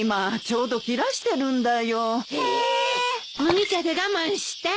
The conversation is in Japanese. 麦茶で我慢して。